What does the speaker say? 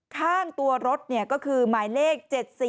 ข้างตัวรถก็คือหมายเลข๗๔